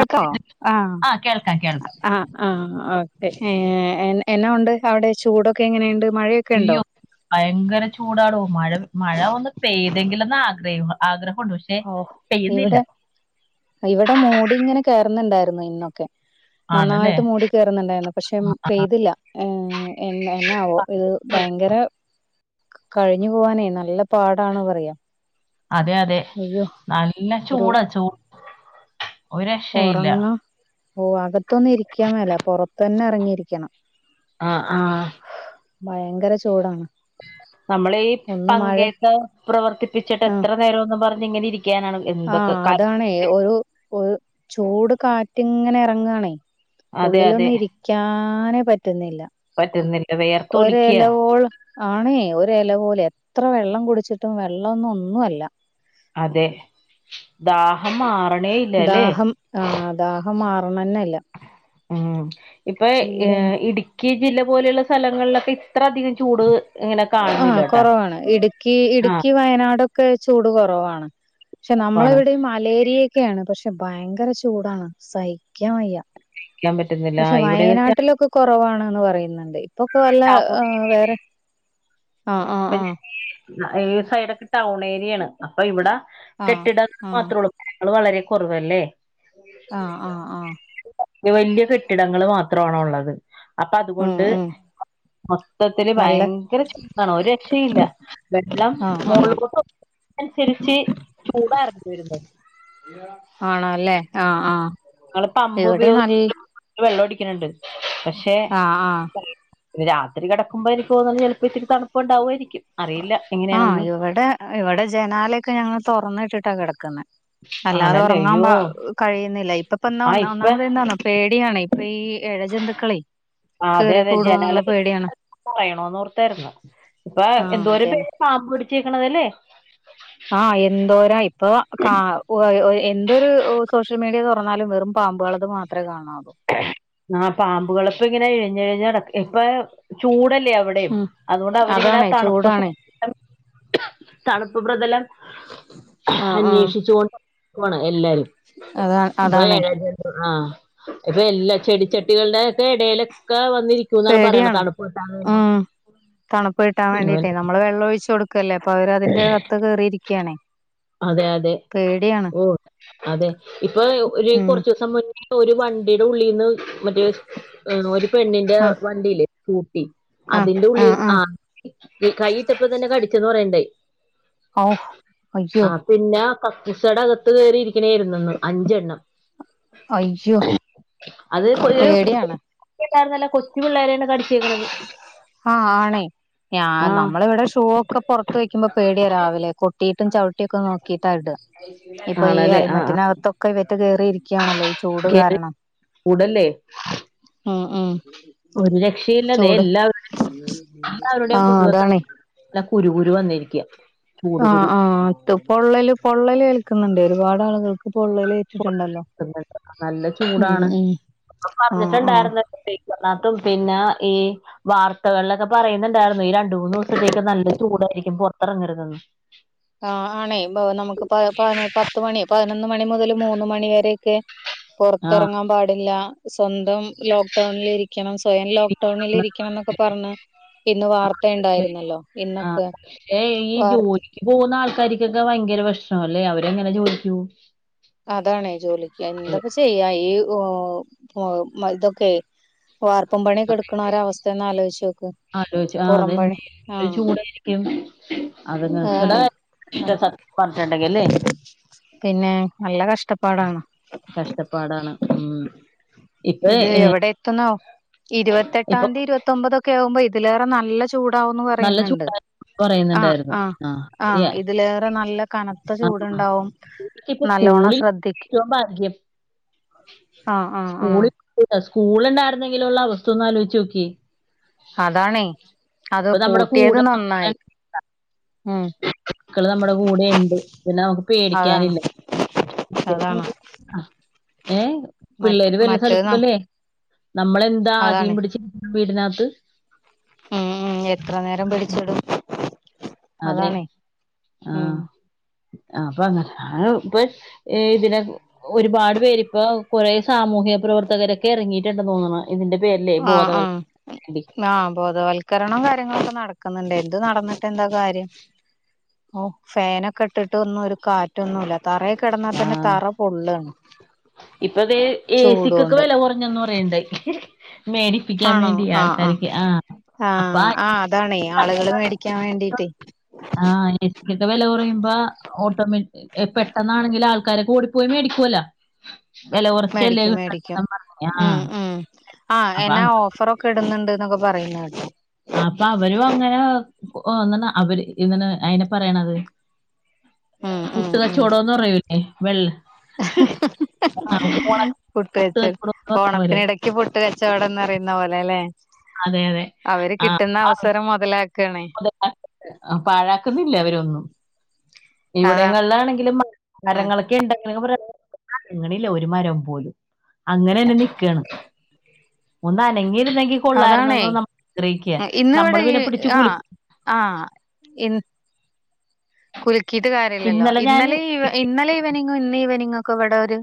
അതോ ആഹ്. ആ കേൾക്കാം കേൾക്കാം ആ ആ ഓക്കേ എന്നാ ഒണ്ട് അവിടെ ചൂടൊക്കെ എങ്ങനെണ്ട് മഴയൊ അയ്യോ ഭയങ്കര ചൂടാടോ മഴ മഴ ഒന്ന് പെയ്തെങ്കിലെന്ന് ആഗ്രഹി ആഗ്രഹൊണ്ട് പ ഓ ഇവിടെ ഇവിടെ മൂടി ഇങ്ങനെ കേറുന്നുണ്ടാര്ന്നു ഇന്നൊക്കെ. ആണല്ലേ നന്നായിട്ട് മൂടി കേറുന്നുണ്ടാര്ന്നു പക്ഷെ പെയ്തില്ല. ഏ എന്നന്നാവോ ഇത് ഭയങ്കര കഴിഞ്ഞു പോവാനേ നല്ല. പാടാണ് പറയാ. അതെ അതെ അയ്യോ നല്ല ഒരു ചൂടാ ചൂ ഒറങ്ങ ഓ അകത്തൊന്നും ഇരിക്കാൻ മേല പൊറത്തന്നെ എറങ്ങിയിരിക്കണം. ആ ആഹ്. ഭയങ്കര ചൂടാ നമ്മളീ പങ്കയക്കെ പ്രവർത്തിപ്പിച്ചിട്ട് എത്ര നേരോന്നും പറഞ്ഞ് ഇങ്ങനെ ഇരിക്കാനാണ്. ആ എന്തൊക്കെ ക അതാണേ ഒരു ഒരു ചൂട് കാറ്റിങ്ങനെ എറങ്ങാണേ. അതെ അതെ ഉള്ളിലൊന്നും ഇരിക്കാനേ പറ്റുന്നില്ല. പറ്റുന്നില്ല വെയർത്തോലിക്ക്യാ ഒരെലവോളം ആണേ ഒരെല പോലെയ എത്ര വെള്ളം കുടിച്ചിട്ടും വെള്ളൊന്നും ഒന്നു അല്ല. അതെ ദാഹം മാറ ദാഹം ആഹ് ദാഹം മാറണല്ലെ ഉം ഇപ്പൊ ഇടുക്കി ജില്ല പോലുള്ള സ്ഥലങ്ങളിലൊക്കെ ഇത്ര അധികം ചൂട്. ഇങ്ങനെ ആഹ് കാണുന്നില്ലട്ടാ കൊറവാണ് ഇടുക്കി ആഹ് ഇടുക്കി വയനാടൊക്കെ ചൂട് കൊറവാണ്. പക്ഷെ തണുപ്പാണ് നമ്മളെവിടെ മലേരിയക്കാണ് പക്ഷെ ഭയങ്കര ചൂടാണ് സഹിക്കാൻ വയ്യ. സഹിക്കാൻ പറ്റുന്നില്ല പക്ഷെ ഇവിടെന്ന് വെച്ചാൽ വയനാട്ടിലൊക്കെ കൊറവാണന്ന് പറയുന്നുണ്ട് ഇപ്പൊക്കെ വല്ല ടൗൺ വേറെ. ആഹ് ആഹ് ഇപ്പ ആഹ്. ഈ സൈഡൊക്കെ ടൗൺ ഏരിയാണ് അപ്പൊ ഇവിടെ ആ കെട്ടിട ആ മാത്രുള്ളൂ. ജനങ്ങള് വളരെ കൊറവല്ലേ. ആഹ് ആഹ് ആഹ്. വലൃ വലൃ കെട്ടിടങ്ങള് മാത്രമാണൊള്ളത്. അപ്പ ഉം അതുകൊണ്ട് ഉം മൊത്തത്തില് നല്ല ഭയങ്കര ചൂ ആണോ ഒരു രക്ഷെല്ല വെള്ളം ആ ആ ആ മോളോട്ടും. അനുസരിച്ച് ചൂടെറങ്ങി വെരുന്നു. ആണല്ലേ ആഹ് ആഹ്. ഇങള് പമ്പ് ഇവിടെ നല്ല ഉപയോഗിച്ച് വെള്ളടിക്കണണ്ട് പക്ഷെ ആഹ് ആഹ് ഈ രാത്രി കെടക്കുംമ്പോ എനിക്ക് തോന്നുന്ന് ചെലപ്പോ ഇത്തിരി തണുപ്പുണ്ടാവായിരിക്കും അറിയില്ല. ആഹ് എങ്ങനെയാണെന്ന് ഇവിടെ ഇവിടെ ജനാലെക്കെ ഞങ്ങള് തൊറന്നിട്ടിട്ട കെടക്കുന്നേ അല്ലാതെ ആണല്ലേ ഒറങ്ങാൻ അയ്യോ പ കഴിയുന്നില്ല ഇപ്പപ്പ ഒന്നാ ആ ഇപ്പ ഒന്നാമത് എന്താന്ന. പേടിയാണ് ഇപ്പ ഈ എഴജന്തുക്കളെ. ആഹ് അതെ അതെ ജനാല [unintelligible] പറയണോന്ന് ഓർത്തായിരുന്നു ഇപ്പൊ ആഹ് എന്തോ ഒരു പേ ജന പാമ്പ് പിടിച്ചേക്കണത് അല്ലേ. ആഹ് എന്തോരാ ഇപ്പൊ കാ എന്തൊരു സോഷ്യൽ മീഡിയ തുറന്നാലും വെറും. പാമ്പുകളത് മാത്രേ കാണാറു ആ പാമ്പുകള് ഇപ്പങ്ങനെ എഴഞ്ഞ് ഇഴഞ്ഞു നട ഇപ്പൊ ചൂടല്ലേ അവിടെ ടെ ഉം അതുകൊണ്ട് അവരിങ്ങനെ അതാണേ തണുപ്പ് ചൂടാണേ [unintelligible] തണുപ്പ് പ്രതലം ആഹ് ആഹ് അന്വേഷിച്ചു കൊണ്ട് [unintelligible] എല്ലരും. അതാ പ്പം അതാണേ എഴ ജന്തു ആഹ്. ഇപ്പൊ എല്ലാ ചെടിച്ചെട്ടികളുടെ ഒക്കെ ഇടയിലൊക്കെ വ പേടിയാണ് ഉം തണുപ്പ് കിട്ടാൻ ഇവൻ വേണ്ടിട്ടേ നമ്മള് വെള്ളം ഒഴിച്ചു കൊട് ക്കല്ലേ അപ്പൊ അവര് അതിന്റെകത്ത് കേറിയിരിക്കണേ. അതെ അതെ ഓഹ് അതെ ഇപ്പൊ ഒരു ഉം കൊർച്ചൂസം മു ഒരു വണ്ടിയുടെ ഉള്ളിൽന്ന് മറ്റേ ഒരു പെണ്ണിന്റെ ആഹ് വണ്ടില്ലേ കൂട്ടി ആഹ് അതിന്റെ ഉള്ളിൽ ആഹ് ആ ആഹ് ഈ കൈയിട്ടപ്പ തന്നെ കടിച്ചെന്ന് പറയണ്ടേ ഓഹ് ആഹ് പിന്നെ കക്കൂസയുടെ അകത്ത് കയറിയിരിക്കണായിരുന്നുന്ന് അഞ്ചെണ്ണം അയ്യോ അത് പേടിയാണ് [unintelligible] കൊച്ചു പിള്ളേരെ [unintelligible] ആഹ് ആണേ ഞ ആ നമ്മള ഇവിടെ ഷൂ ഒക്കെ പുറത്ത് വെക്കുമ്പോ പേടിയ രാവിലെ കിട്ടിയിട്ടും ചവിട്ടിയൊക്കെ നോക്കിട്ടാ ഇടുക ഇപ്പൊ ഈ ആണല്ലേ ആ ആ. ഹെൽമെറ്റിനകത്തൊക്കെ ഇവറ്റ കേറിയിരി ക്കെയാണല്ലോ ഈ ചൂട് കേറി കാരണം കൂടല്ലേ ഉം ഉം ഒരു രക്ഷയില്ല തേ ചൂട് എല്ലാവരുടെയും ആഹ് മുതുവത്തും അതാണേ ആ കുരു കുരു വന്നിരിക്കാ ആഹ് ആഹ് അത് പൊള്ളല് പൊള്ളലേൽക്കുന്നുണ്ട് ഒരുപാട് ആളുകൾക്ക് പൊള്ളല് [unintelligible] നല്ല ഉം ചൂടാണ് ഉം ഇപ്പ ആഹ് ആഹ് പറഞ്ഞിട്ടുണ്ടായിരുന്ന [unintelligible] പിന്നെ ഈ വാർത്തകളിലൊക്കെ പറയുന്നുണ്ടായിരുന്നു ഈ രണ്ട് മൂന്ന് ദിവസത്തേക്ക് നല്ല ചൂടായിരിക്കും പുറത്തിറങ്ങരുതെന്ന് ആഹ് ആണേ നമുക്ക് പ പത്ത് മണി പതിനൊന്ന് മണി മുതൽ മൂന്ന് മണി വരൊക്കെ ആഹ് പുറത്തിറങ്ങാൻ പാടില്ല സ്വന്തം ലോക്ക് ഡൗണിലിരിക്ക രിക്കണം സ്വയം ലോക്ക് ഡൌണിൽ ഇരിക്കണം എന്നൊക്കെ പറഞ്ഞ് ഇന്ന് വാർത്ത ഉണ്ടായിരുന്നല്ലോ ഇന്നൊക്കെ ഏഹ് ഈ വാർത്ത ജോലിക്ക് പോകുന്ന ആൾക്കാർക്കൊക്കെ ഭയങ്കര പ്രശ്നമല്ലേ അവരെങ്ങനെ ജോലിക്ക്‌ പോവും അതാണെയ് ജോലിക്ക് എന്തപ്പ ചെയ്യാ ഈ ഏഹ് ഇതൊക്കെ വാർപ്പും പണിയൊക്കെ എടുക്കണ ഓരെ അവസ്ഥയൊന്ന് ആലോചിച്ച് നോക്ക് ആലോയ്ച്ചു ആഹ് പുറം പണി അതെന്നെ നല്ല ആഹ് ചൂടായിരിക്കും ത്യം അത്ങ്ങ്ക്ക്‌ണ അതാണേ ഇഷ്ട സത്യം പറഞ്ഞിട്ടുണ്ടെങ്കിൽ ല്ലേ പിന്നെ നല്ല കഷ്ടപ്പാടാണ് കഷ്ടപ്പാടാണ് ഉം ഇപ്പൊ ഇത് ഏ, എവിടെ എത്തുന്നോ ഇപ്പൊ ഇരുപത്തെട്ടാം തീയതി ഇരുപത്തി ഒമ്പതൊക്കെ ആവുമ്പോ ഇതിലേറെ നല്ല ചൂ ചൂടാവൂന്ന് നല്ല പറയുന്നുണ്ട് ചൂടായി പറയുന്നുണ്ടായിരുന്നു ആഹ് ആ ആഹ് ശരിയാ ഇതിലേറെ നല്ല കന ത്ത ആ ആ. ചൂടുണ്ടാവും ഇപ്പൊ നല്ലോണം സ്കൂളിൽ ശ്രദ്ധിക്കും ഏറ്റവും ഭാഗ്യം ആഹ് ആഹ് ആഹ് സ്കൂള് ഉണ്ടായിരുന്നെങ്കിലുള്ള അവസ്ഥ ഒന്ന് ആലോച്ച് നോക്കിയേ അതാണേ അത് ഇപ്പൊ നമ്മുടെ പൂട്ടിയത് കൂടെ നന്നായി ഉം ക്കള് നമ്മടെ കൂടെയെണ്ട് പിന്നെ നമക്ക് അതാണ് പേടിക്കാനില്ല അതാണ് ഏഹ് മറ്റ് പിള്ളേര് വല്ല മറ്റേത് ന സ്ഥലത്തല്ലേ നമ്മളെന്താ ആദീം അതാണ് പിടിച്ച് വീടിനാത്ത് ഉം എത്ര നേരം പിടിച്ചിടും അതെ അതാണേ ഉം ആഹ് അപ്പൊ അങ്ങന [unintelligible] ഏതിന് ഒരുപാട് പേരിപ്പൊ കൊറേ സാമൂഹ്യ പ്രവർത്തകരൊക്കെ എറങ്ങിയിട്ടണ്ടന്ന് തോന്നണ് ഇതിന്റെ പേരിലേ ആഹ് ആഹ് ബോധവൽക്കരണത്തിനു വേണ്ടി ആഹ് ബോധവൽക്കരണോം കാര്യങ്ങളൊക്കെ നടക്ക്ന്നെണ്ട് എന്ത് നടന്നിട്ടെന്താ കാര്യം ഓഹ് ഫാനൊക്കെ ഇട്ടിട്ട് ഒന്നും ഒരു കാ റ്റൊന്നു ഇല്ല തറേ കിടന്നാ ആ തന്നെ തറ പൊള്ളാണ് ഇപ്പൊ ദേ ഏ സിക്കൊക്കെ ചൂടോണ്ട് വെല കുറഞ്ഞന്ന് പറയണെണ്ടായ് മേടി പ്പിക്കാൻ ആണോ വേണ്ടി ആഹ് ആൾക്കാർക്ക് ആഹ് ആഹ് ആഹ് അതാണേ ആളുകള് മേടിക്കാൻ വേണ്ടീട്ടേ ആഹ് ഏ സി ക്കൊക്കെ വെല കൊറയുമ്പ ഓട്ടോമാറ്റിക് എഹ് പെട്ട ന്നാണെങ്കില് ആൾക്കാരെക്ക ഓടിപ്പോയി മേടിക്കുവല്ല വെല കൊറച്ചല്ലേ മേടിക്കും മേടിക്കും കിട്ടണംന്നും പറഞ്ഞ് ഉം ആഹ് അപ്പ അ കെടന്ന്ണ്ട്ന്നെക്കെ പറയുന്ന കേട്ട് ആഹ് അപ്പ അവരും അങ്ങനെ തോന്നണ് അവര് ഇതിനെ അയിനെ പറയണത് ഉം ഉം പുട്ട് ഉം കച്ചോടോന്ന് പറയൂലെ വെ [unintelligible] പറഞ്ഞപോലെ ക്കി പുട്ട് കച്ചവടംന്ന് പറയുന്ന പോലെ അല്ലെ അതെ അതെ അവര് ആ കിട്ടുന്ന അവസരം മൊതലാ ക്കണേ [unintelligible] പാഴാക്കുന്നില്ല ഇവരൊന്നും അതാണ് ഇവിടെങ്ങളിലാണെങ്കിലും മരങ്ങളൊക്കെ ഇണ്ടെങ്കി [unintelligible] അനങ്ങണില്ല ഒരു മരം പോലും അങ്ങനെന്നെ നിക്കേണ് ഒന്നനങ്ങിരുന്നെങ്കി അതാണേ കൊള്ളായിരുന്നന്ന് നമ്മളാഗ്രഹിക്ക ഇന്നിവിടെ നമ്മള് ഈ പിന്നെ പിടിച്ച് കുലു ആഹ് ആഹ് എൻ കുലുക്കീട്ട് കാര്യവില്ലല്ലോ ഇന്നലെ ഞാൻ ഇന്നലെയീവ ഇന്നലെ ഈവനിംങ്ങ് ഇന്ന് ഈവനിങ്ങൊക്കെ ഇവിടെ ഒര്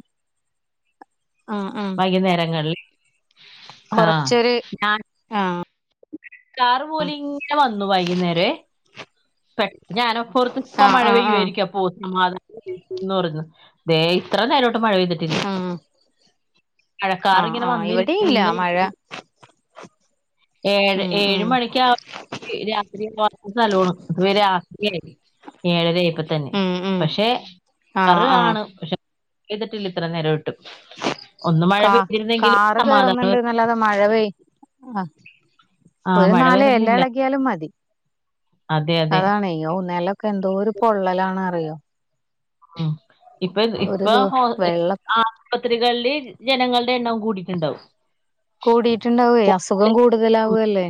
ഉം ഉം വൈകുന്നേരങ്ങളില് കൊറച്ചൊര് ആഹ് കാറ് പോലിങ്ങനെ വന്നു വൈകുന്നേരെ പെ ഞാനപ്പോർത്ത് ഇപ്പ ആഹ് മഴ ആഹ് ആഹ് പെയ്യുമായിരിക്കും അപ്പോ സമാധാനന്ന് പറഞ്ഞ് ദേ ഇത്ര നേരായിട്ടും മഴ പെയ്തിട്ടില്ല ആഹ് ആഹ് മഴക്കാറിങ്ങനെ ആഹ് വന്നിരിക്ക് ഇവിടെയും ഇല്ല നിന്നിരി മഴ ഏഴ് ഉം ഏഴ് ഉം മണിക്കാ രാത്രി [unintelligible] രാത്രിയായി ഏഴരേപ്പ തന്നെ ഉം ഉം പക്ഷെ ആഹ് ആഹ് [unintelligible] പക്ഷേ [unintelligible] പെയ്തിട്ടില്ല ഇത്ര നേരോ കാ കാറ് സമാധാനം കയറുന്നുണ്ട്ന്നല്ലാതെ മഴ പെയ് ആഹ് ആഹ് ഒരു മഴ നാല് എല വരുന്നില്ല എളകിയാലും മതി അതെ അതെ അതാണെ ഒഹ് നെലം ക്കെ എന്തോരു പൊള്ളലാണ്‌ അറിയോ ഉം ഇപ്പ ഒരു ഇപ്പോ ദി ഹോ വെള്ളം ആഹ് പത്രികളിൽ ജനങ്ങളുടെ എണ്ണോം കൂടീട്ടെണ്ടാവും കൂടിയിട്ടുണ്ടാവൊ അസുഖം കൂടുതലാവല്ലേ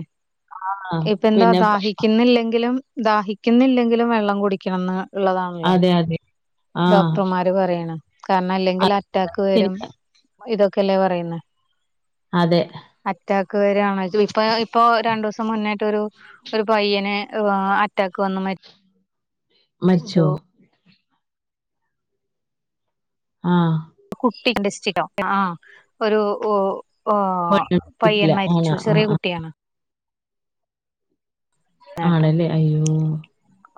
ആഹ് ഇപ്പ എന്താ പിന്നെ പ- ദാഹിക്കുന്നില്ലെങ്കിലും ദാഹിക്കുന്നില്ലെങ്കിലും വെള്ളം കുടിക്കണം ന്ന ഉള്ളതാണല്ലോ അതെ അതെ ആഹ് ഡോക്ടർമാർ പറയ്ണ കാരണം അല്ലെങ്കിൽ അറ്റാക്ക് ശരി വരും ഇതൊക്കെല്ലേ പറയുന്നെ അതെ അറ്റാക്ക് വരാണ് ഇപ്പ ഇപ്പോ രണ്ടുസം മുന്നെയിട്ടൊരു ഒരു പയ്യന് ഹ് അ അറ്റാക്ക് വന്ന് മരി മരിച്ചോ ആഹ് കുട്ടി ഇന്റസ്റ്റിനോ ആ ഒരു ഉ ഓ ല്ല പയ്യൻ ആണ മരിച്ചു ആ ചെറിയ ആ കുട്ടിയാണ് നേട്ടും ആണല്ലേ അയ്യോ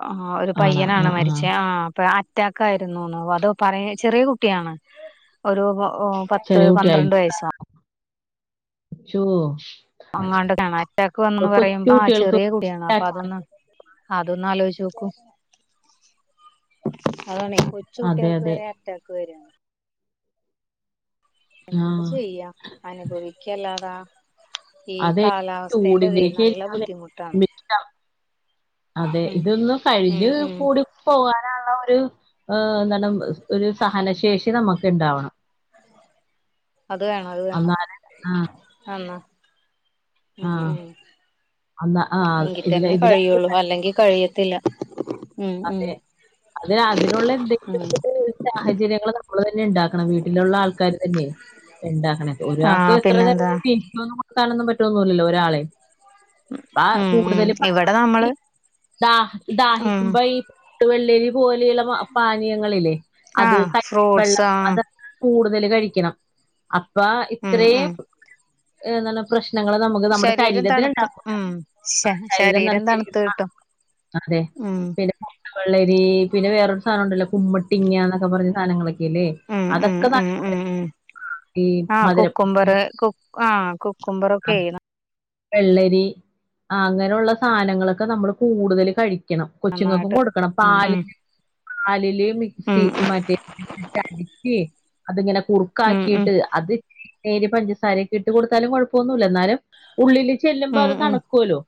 ആ ഒരു ആണാ ആ പയ്യനാണോ മരിച്ചേ ആ പ്പ അറ്റാക്ക് ആയിരുന്നുന്നു അത് പറയെ ചെറിയ കുട്ടിയാണ് ഒരു പത്ത് ചെറിയ കുട്ടി ആയി പന്ത്രണ്ട് വയസ്സോ ശു അങ്ങാണ്ട് അറ്റാക്ക് വന്നന്ന് പറയുമ്പോ ആ കുട്ടികൾക്ക് ചെറിയ കുട്ടിയാണ് അപ്പോ അതൊന്ന് അതൊന്നാലോചിച്ചു നോക്കൂ അതാണെ അതെ കൊച്ചുകുട്ടിയാൾക്ക് അതെ വരെ അറ്റാക്ക് വരാണ് എന്തപ്പ ആഹ് ചെയ്യാം അനുഭവിക്കല്ലാതെ ഈ അതെ കാലാവസ്ഥയ്ന്റതെ നല്ല ബുദ്ധിമുട്ടാണ് ചൂടിന്റെയൊക്കെ അതെ ഉം ഇതൊന്ന് കഴിഞ്ഞ് ഉം ഉം കൂടി പോകാനുള്ള ഒരു എന്താണ്‌ ഒരു സഹനശേഷി നമുക്ക് ഇണ്ടാവണം അത് വേണം അത് വേണം ആ എന്നാ ആ ഉം ഉം എന്നാ ആ ഇതിന് എങ്കിതന്നെ ഇതിന് കഴിയൊള്ളൂ അല്ലെങ്കി കഴിയത്തില്ല. ഉം ഉം അതെ അത് അതിനുള്ള എന്തെ ഉം [unintelligible] സാഹചര്യങ്ങള് നമ്മൾ തന്നെ ണ്ടാക്കണം വീട്ടിലുള്ള ആൾക്കാര് തന്നെ. ണ്ടാക്കണേ ഒരാക്ക് ആഹ് എത്ര പിന്നെന്താ [unintelligible] പറ്റുവൊന്നുമില്ലല്ലോ ഒരാളീം. പാ ഉം ഉം കൂടുതല് പാ ഇവിടെ മാതിരി നമ്മള് ദഹ ദാഹി ഉം ഈ പട്ട് വെള്ളരി പോലെയുള്ള പാനീയങ്ങളില്ലേ അത് ആഹ് കഞ്ഞി ഫ്രൂട്ട്സ് വെള്ളം ആഹ് അത്. കൂടുതല് കഴിക്കണം അപ്പ ഉം ഉം ഇത്രേം. ഏഹ് നന്ന പ്രശ്നങ്ങള് നമുക്ക് നമ്മുടെ ശരീരം ശരീരത്തിന് തണുത്തും ണ്ടാവൂലാ ഉം ശ ശരീരം തണുത്ത് നച്ചിരിക്കുമ്പളാണ്. കിട്ടും അതെ ഉം പി പിന്നെ പൊട്ട് വള്ളരി പിന്നെ വേറൊരു സാധനണ്ടല്ലോ കുമ്മട്ടിങ്ങന്നൊക്കെ പറഞ്ഞ സാനങ്ങളൊക്കെല്ലേ. ഉം ഉം അതൊക്കെ ഉം തന്ന ഉം ഉം ഈ ആഹ് മധുരം. കുക്കുംബർ കു ആഹ് കുക്കുംബറൊക്കെ. വെള്ളരി ആഹ് അങ്ങനുള്ള സാനങ്ങളൊക്കെ നമ്മള് കൂടുതൽ കഴിക്ക ണം കൊച്ചുങ്ങക്കും നന്നായിട്ട് കൊടുക്കണം ഉം പാലില് പാലില്. ഉം മിക്സി മറ്റേ അടിക്കേഅതിങ്ങനെ ഉം ഉം കുറുക്കാക്കീട്ട് അത്. ഏര് പഞ്ചസാരയൊക്കെ ഇട്ട് കൊടുത്താലും കൊഴപ്പൊന്നൂല്ലാ എന്നാലും. ഉള്ളില് ചെല്ലുമ്പോ ഉം അത് ഉം തണുക്കോല്ലോ.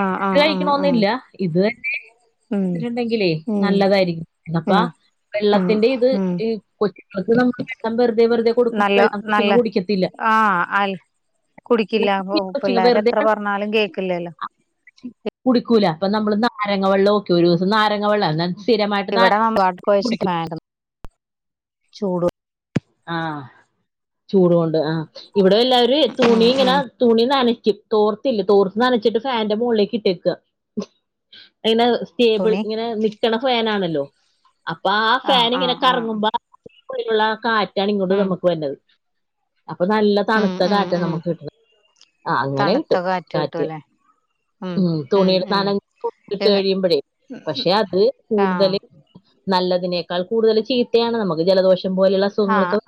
ആഹ് കഴി ആഹ് ആഹ് ആഹ് കഴിക്കണോന്നില്ല. ഇത് തന്നെ ഉം മധുരണ്ടെങ്കിലേ ഉം നല്ലതായിരിക്കും. പിന്നെപ്പാ ഉം ഉം വെള്ളത്തിന്റെ ഇത് ഉം ഈ കൊച്ചുങ്ങൾക്ക് നമ്മൾ വെള്ളം വെറുതെ വെറുതെ കൊടുക്കുമ്പോ നല്ല വെള്ളം കൊച്ചിങ്ങ നല്ല കുടിക്കത്തില്ല. ആഹ് അല്ല കുടിക്കില്ല പൊ കൊച്ചുങ്ങ വെറുതെ പിള്ളേരെത്ര വെള്ളം പറഞ്ഞാലും കേക്കില്ലല്ലോ. കുടിക്കൂല പ്പൊ നമ്മള് നാരങ്ങ വെള്ളം ക്കെ ഒരു ദിവസം നാരങ്ങ വെള്ളം എന്ന ഇവിടെ വമ്പാട്ടകൊഴച്ചിട്ട് വേണം ചൂട്. ആഹ് ചൂടോണ്ട് ആഹ് ഇവിടെ എല്ലാരുടവേ ഉം തുണി ഉം ഇങ്ങനെ. തുണി നനയ്ക്കും തോർത്തില്ല തോർത്ത് നനച്ചിട്ട് ഫാന്റെ മോളിലേക്ക് ഇട്ടേക്കാ. ഇങ്ങനെ സ്റ്റേബിൾ തുണി ഇങ്ങനെ നിക്കണ ഫേനാണല്ലോ അപ്പൊ ആ ആഹ് ഫാനിങ്ങനെ ആഹ് ആഹ് കറങ്ങുമ്പാ. ക്കുള്ളിലുള്ള കാറ്റാണ് ഇങ്ങോട്ട് ഉം നമുക്ക് വരണത് അപ്പൊ നല്ല. ഉം തണുത്ത ഉം കാറ്റാ ഉം നമുക്ക് കിട്ടണെ ആഹ് അങ്ങനെ തണുത്ത കിട്ടും കിട്ടും കാറ്റ്. അല്ലേ ഉം തുണീടെ സ്ഥാനങ്ങ കൊടുത്തിട്ട് കഴിയുമ്പഴേ പക്ഷെ അത് ആഹ് കൂടുതല്. നല്ലതിനേക്കാൾ കൂടുതല് ചീത്തയാണ് നമുക്ക് ജലദോഷം പോലെള്ള അസു ആഹ്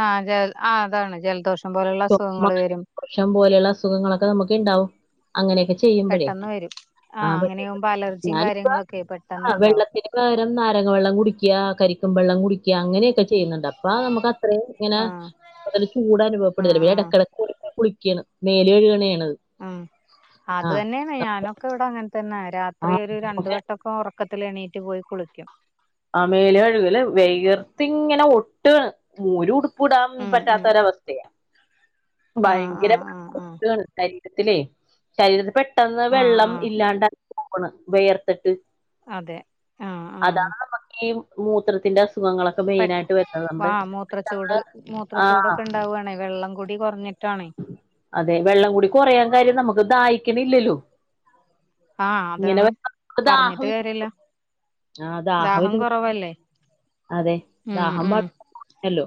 ആഹ് അതെ അതാണ് ജലദോഷം പോലെള്ള അസുഖങ്ങള് വരും. ഷം പോലെള്ള അസുഖങ്ങളൊക്കെ നമുക്കിണ്ടാവും. അങ്ങനെയൊക്കെ ചെയ്യുമ്പഴേ പെട്ടെന്ന് വരും ആഹ് അങ്ങനെയാകുമ്പോ അലർജിയും ഞാനിപ്പ കാര്യങ്ങളൊക്കെ ആ പെട്ടെന്ന് ഇണ്ടാവും വെള്ളത്തിന്. നേരം നാരങ്ങവെള്ളംകുടിക്ക്യാ കരിക്കുംവെള്ളം കുടിക്യാ അങ്ങനെയൊക്കെ ചെയ്യുന്നുണ്ട് അപ്പൊളാ നമുക്കത്രേം ഇങ്ങനെ ആഹ് കൂടുതൽ ചൂട് ആഹ് അനുഭവപ്പെടേല്ല ആഹ് എടക്കെടക്ക് കുളിക്കാ ക്ക്യാണ് മേല് കെഴുകണേണത്. ഉം അത് തന്നേണ് ഞാനൊക്കെ ഇവിടെ അങ്ങനെ തന്നെ രാത്രി ഒരു ആ രണ്ട്‌ വട്ട ട്ടൊക്കെ ഒറക്കത്തിലെണ്ണീറ്റ് പോയി കുളിക്കും. ആ മേല് കഴുകല് വെയർത്തിങ്ങനെ ഒട്ടാണ് മോര്കൊടു ഉപുടാം ഉം ഉം പറ്റാത്തൊരവസ്ഥയാ ആഹ് ഭയങ്കര. ആഹ് ആഹ് ആഹ് [unintelligible] ശരീരത്തിലേ ശരീരത്തി പെട്ടെന്ന് ആഹ് വെള്ളം ആഹ് ഇല്ലാണ്ടാവാണ് വെയർത്തിട്ട്. അതെ ആഹ്, ആഹ്. അതാണ് നമുക്കീ മൂത്രത്തിന്റെ അസുഖങ്ങളൊ പെട്ടാ ആഹ് മൂത്രച്ചൂട് ആ മൂത്രച്ചൂടൊക്കെ ഉണ്ടാവാണെ വെള്ളകൂടി കൊറഞ്ഞിട്ടാണെ. അതെ വെള്ളം കൂടി കൊറയാ കാര്യം നമുക്ക് ദാഹിക്ക്ണില്ലല്ലോ. ആഹ് അതാണ് പറഞ്ഞിട്ട് കാര്യല്ല. ആഹ് ദാഹ. ദാഹം [unintelligible] കുറവല്ലേ അതെ ഉം ദാഹം [inaudible] ഉം ല്ലല്ലോ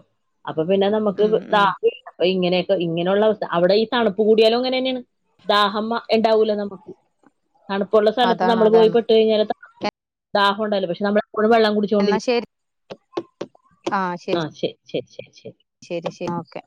അപ്പൊ പിന്നെ നമുക്ക് ഉം ദാ ഉം അപ്പൊ ഇങ്ങനെയൊക്കെ ഇങ്ങനെയുള്ള അവസ്ഥ അവിടെ ഈ തണുപ്പ് കൂടിയാലും അങ്ങനന്നെയാണ്. ദാഹമ്മ ണ്ടാവൂല നമുക്ക്. തണുപ്പുള്ള സ്ഥലത്ത് അതാണ് നമ്മള് പോയി അതാണ് പെട്ട് കഴിഞ്ഞാൽ ദാഹൊണ്ടാവൂല്ലാ പക്ഷെ നമ്മളെപ്പോഴും വെള്ളം കുടിചോ എന്നാ ശരി ആഹ് ശരി ശരി ശരി ശരി ശരി ശരി ഓക്കെ